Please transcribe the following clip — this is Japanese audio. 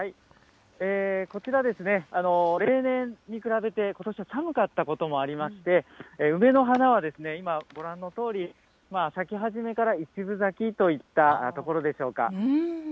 こちら、例年に比べて、ことしは寒かったこともありまして、梅の花は今、ご覧のとおり、咲き始めから１分咲きといったところでしょうか。